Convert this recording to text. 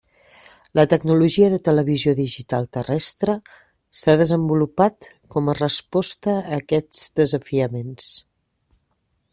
La tecnologia de televisió digital terrestre s'ha desenvolupat com a resposta a aquests desafiaments.